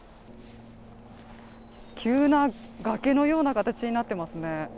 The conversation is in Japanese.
急な崖のような形になっていますね。